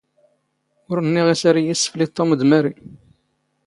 ⵓⵔ ⵏⵏⵉⵖ ⵉⵙ ⴰⵔ ⵉⵢⵉ ⵉⵙⴼⵍⵉⴷ ⵟⵓⵎ ⴷ ⵎⴰⵔⵉ.